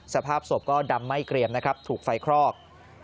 สภาพศพก็ดำไม่เกรียมนะครับถูกไฟคลอก